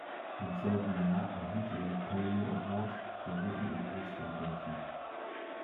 Im selben Jahr erhielt er den Pioneer Award der Rhythm and Blues Foundation.